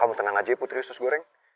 kamu tenang aja putri usus goreng